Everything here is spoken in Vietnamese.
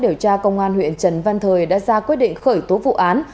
điều tra công an huyện trần văn thời đã ra quyết định khởi tố vụ án